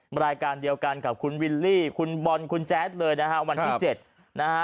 รายการเดียวกันกับคุณวิลลี่คุณบอลคุณแจ๊ดเลยนะฮะวันที่๗นะฮะ